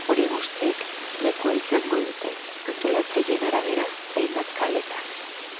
Horiek guztiek lekua izango dute, antolatzaileen arabera, hainbat kaletan.